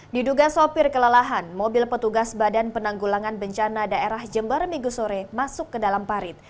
diduga sopir kelelahan mobil petugas badan penanggulangan bencana daerah jember minggu sore masuk ke dalam parit